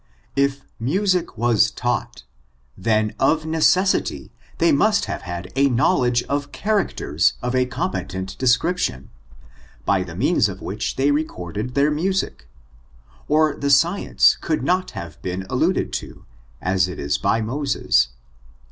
If music was taught, then of necessity they must have had a knowledge of characters of a competent description, by the means of which they recorded their music, or the science could not have been alluded to, as it is by Moses.